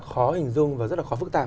khó hình dung và rất là khó phức tạp